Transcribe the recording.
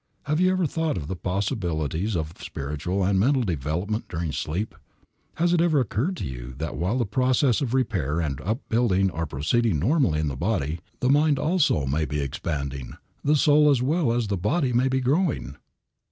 Have you ever thought of the possibilities of spiritual and mental development during sleep? Has it ever occurred to you that while the processes of repair and upbuilding are proceeding normally in the body, the mind also may be expanding, the soul as well as the body may be growing?